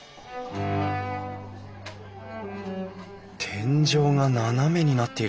天井が斜めになっているぞ。